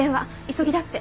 急ぎだって。